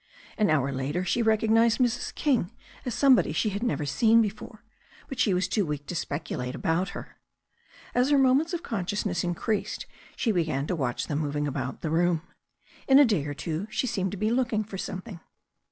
An hour later she recognized Mrs. King as somebody she had never seen before, but she was too weak to speculate about her. As her moments of consciousness increased she began to watch them moving about the room. In a day or two she seemed to be looking for something.